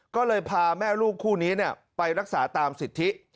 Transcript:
ก็เลยพาแม่ลูกคู่นี้ไปรักษาตามสิทธิ